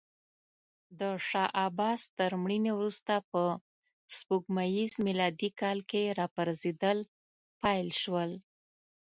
د شاه عباس تر مړینې وروسته په سپوږمیز میلادي کال کې راپرزېدل پیل شول.